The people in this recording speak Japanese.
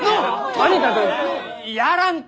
とにかくやらんと！